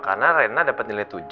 karena rena dapet nilai tujuh